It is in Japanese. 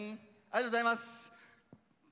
ありがとうございます。